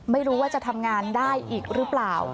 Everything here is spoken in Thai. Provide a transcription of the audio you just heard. ไม่รู้ว่าจะทำงานได้อีกหรือเปล่า